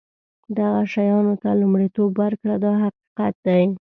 دغه شیانو ته لومړیتوب ورکړه دا حقیقت دی.